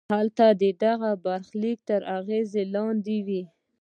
هلته د هغه برخلیک تر اغېز لاندې وي.